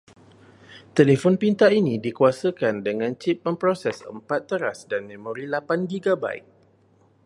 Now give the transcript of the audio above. Telefon pintar ini dikuasakan dengan chip pemproses empat teras dan memori lapan gigabait.